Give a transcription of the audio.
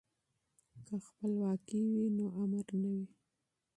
که خپلواکي وي نو امر نه وي.